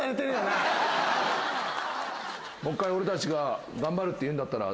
もう１回おれたちが頑張るっていうんだったら。